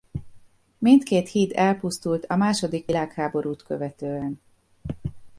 Mindkét híd elpusztult a második világháborút követően.